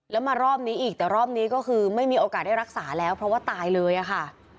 แล้วมารอบนี้อีกแต่รอบนี้ก็คือไม่มีโอกาสได้รักษาแล้วเพราะว่าตายเลยอะค่ะ